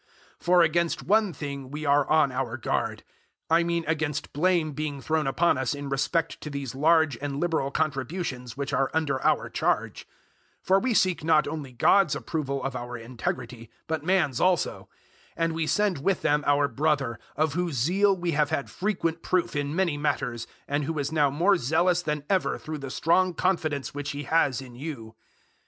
008:020 For against one thing we are on our guard I mean against blame being thrown upon us in respect to these large and liberal contributions which are under our charge. 008:021 For we seek not only God's approval of our integrity, but man's also. 008:022 And we send with them our brother, of whose zeal we have had frequent proof in many matters, and who is now more zealous than ever through the strong confidence which he has in you.